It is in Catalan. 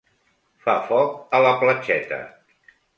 Fa foc a la platgeta.